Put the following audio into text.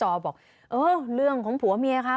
เบอร์บอกเรื่องของผัวเมียเขา